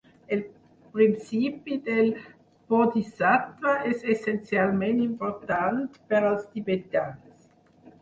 El principi del bodhisattva és essencialment important per als tibetans.